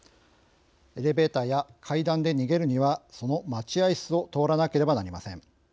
エレベーターや階段で逃げるにはその待合室を通らなければなりません。